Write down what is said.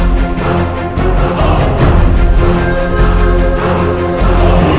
mereka akan menjadi jahat jika kitaooky